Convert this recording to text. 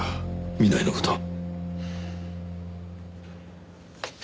南井の事を。